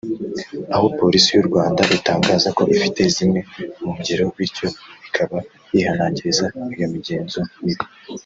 aho Polisi y’u Rwanda itangaza ko ifite zimwe mu ngero bityo ikaba yihanangiriza iyo migenzo mibi